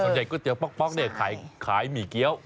ใหญ่ก๋วยเตี๋ป๊อกเนี่ยขายหมี่เกี้ยว